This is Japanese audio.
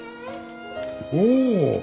おお！